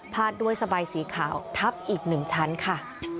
ดด้วยสบายสีขาวทับอีก๑ชั้นค่ะ